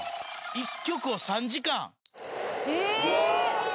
１曲を３時間⁉うわ！